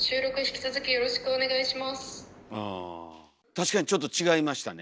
確かにちょっと違いましたね。